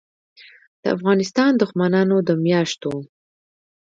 دافغانستان دښمنانودمیاشتو